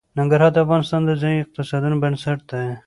ننګرهار د افغانستان د ځایي اقتصادونو بنسټ دی.